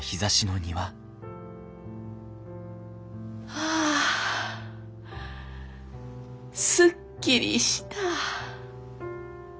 ああすっきりした。